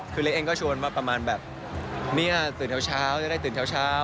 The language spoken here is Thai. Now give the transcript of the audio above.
คือเล็กเองก็ชวนมาประมาณแบบเนี่ยตื่นเช้าจะได้ตื่นเช้า